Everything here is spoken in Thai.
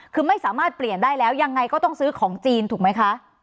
คือไม่สามารถเปลี่ยนได้แล้วยังไงก็ต้องซื้อของจีนถูกไหมคะ